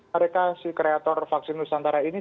mereka si kreator vaksin nusantara ini